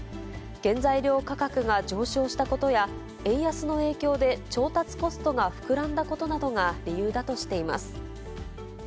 原材料価格が上昇したことや、円安の影響で調達コストが膨らんだことなどが理由だとしています。